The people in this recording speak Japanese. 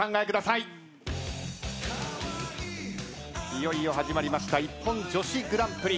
いよいよ始まりましたＩＰＰＯＮ女子グランプリ。